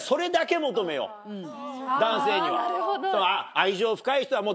愛情深い人。